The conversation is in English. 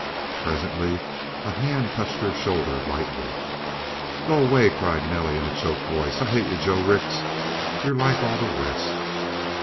Presently a hand touched her shoulder lightly. "Go away," cried Nelly in a choked voice. "I hate you, Joe Rix. You're like all the rest!"